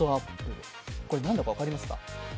何だか分かりますか？